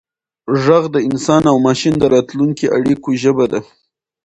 ږغ د انسان او ماشین د راتلونکو اړیکو ژبه ده.